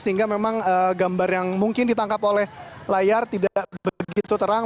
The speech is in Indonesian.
sehingga memang gambar yang mungkin ditangkap oleh layar tidak begitu terang